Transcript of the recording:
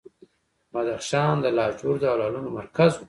بدخشان د لاجوردو او لعلونو مرکز و